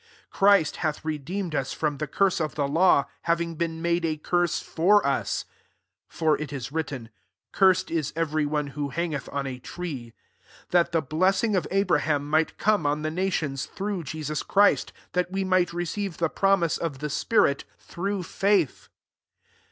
13 Christ hath redeemed us from the curse of the law, having been made a curse for us: (for it is written, "Cursed ia every one who hangeth on a tree:") 14 that the blessing of Abraham might come on the nations through Jesus Christ ; that we might re ceive the promise of the spirit through faith.